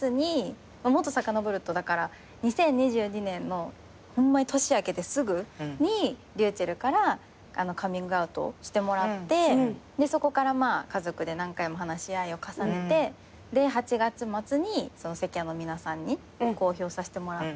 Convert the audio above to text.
もっとさかのぼると２０２２年の年明けてすぐにｒｙｕｃｈｅｌｌからカミングアウトをしてもらってそこから家族で何回も話し合いを重ねて８月末に世間の皆さんに公表させてもらって。